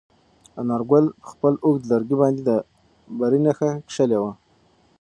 انارګل په خپل اوږد لرګي باندې د بري نښه کښلې وه.